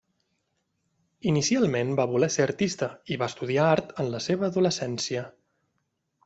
Inicialment va voler ser artista i va estudiar art en la seva adolescència.